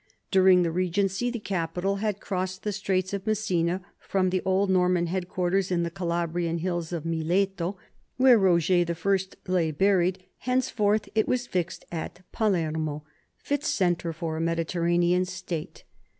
During the regency the capital had crossed the Straits of Messina from the old Norman headquarters in the Calabrian hills at Mileto, where Roger I lay buried; henceforth it was fixed at Palermo, fit centre for a Mediterranean state.